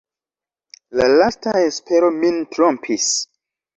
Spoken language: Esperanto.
la lasta espero min trompis.